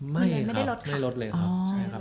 ไม่ครับไม่ลดเลยครับ